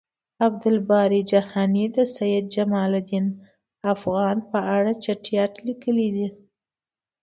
عبد الباری جهانی د سید جمالدین افغان په اړه چټیات لیکلی دی